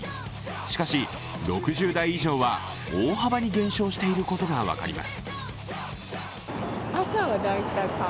しかし、６０代以上は大幅に減少していることが分かります。